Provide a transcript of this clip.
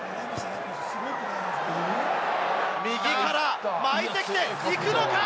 右から巻いてきて、いくのか？